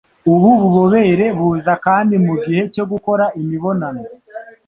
Ubu bubobere buza kandi mu gihe cyo gukora imibonano